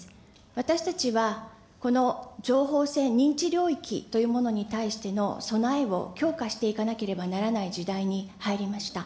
私たちは、この情報戦、認知領域というものに対しての備えを強化していかなければならない時代に入りました。